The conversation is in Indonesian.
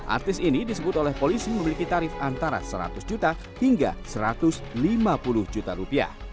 artis ini disebut oleh polisi memiliki tarif antara seratus juta hingga rp satu ratus lima puluh juta rupiah